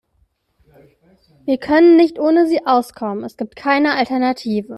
Wir können nicht ohne sie auskommen, es gibt keine Alternative.